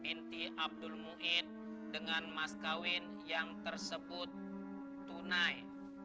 menti abdul muhyiddin dengan mas kawin yang tersebut tunai